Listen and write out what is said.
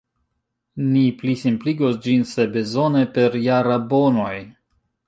Ni plisimpligos ĝin, se bezone, per jarabonoj.